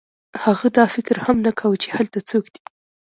هغه دا فکر هم نه کاوه چې هلته څوک دی